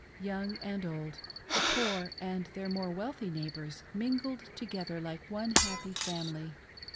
Young and old, the poor and their more wealthy neighbors mingled together like one happy family.